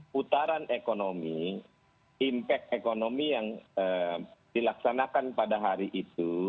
putaran ekonomi impact ekonomi yang dilaksanakan pada hari itu